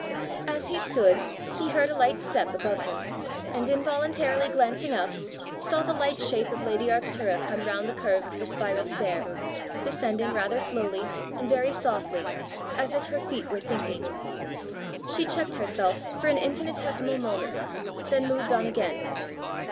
As he stood he heard a light step above him, and involuntarily glancing up, saw the light shape of lady Arctura come round the curve of the spiral stair, descending rather slowly and very softly, as if her feet were thinking. She checked herself for an infinitesimal moment, then moved on again.